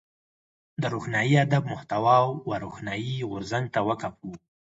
د روښاني ادب محتوا و روښاني غورځنګ ته وقف وه.